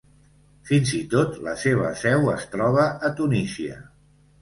Fins i tot la seva seu es troba a Tunísia.